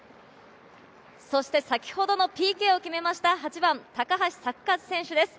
先ほどのＰＫを決めました、８番・高橋作和選手です。